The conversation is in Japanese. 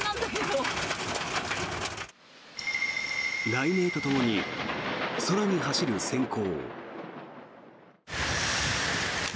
雷鳴とともに空に走る閃光。